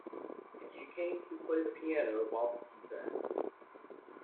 And she came to play the piano whilst he sang.